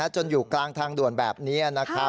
จนอยู่กลางทางด่วนแบบนี้